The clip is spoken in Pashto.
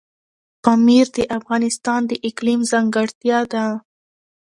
پامیر د افغانستان د اقلیم ځانګړتیا ده.